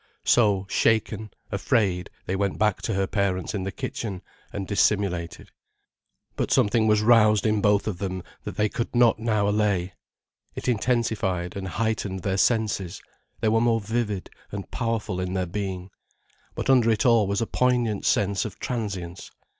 So, shaken, afraid, they went back to her parents in the kitchen, and dissimulated. But something was roused in both of them that they could not now allay. It intensified and heightened their senses, they were more vivid, and powerful in their being. But under it all was a poignant sense of transience.